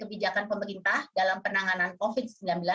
kebijakan pemerintah dalam penanganan covid sembilan belas